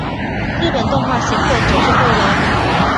日本动画协会正式会员。